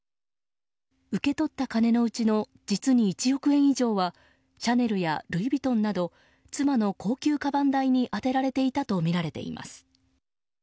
受け取った金のうちの実に１億円以上はシャネルやルイ・ヴィトンなど妻の高級かばん代に充てられていたとみられています。